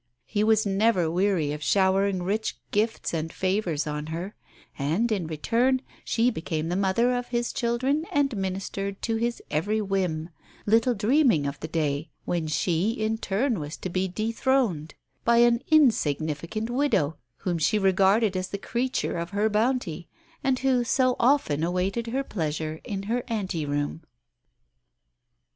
He was never weary of showering rich gifts and favours on her; and, in return, she became the mother of his children and ministered to his every whim, little dreaming of the day when she in turn was to be dethroned by an insignificant widow whom she regarded as the creature of her bounty, and who so often awaited her pleasure in her ante room.